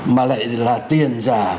mà lại là tiền giả